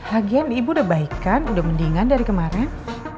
hagian ibu udah baik kan udah mendingan dari kemarin